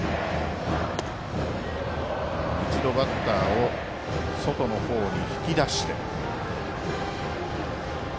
一度、バッターを外の方に引き出して。